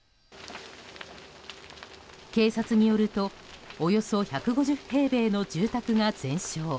警察によるとおよそ１５０平米の住宅が全焼。